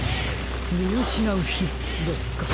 「みうしなうひ」ですか？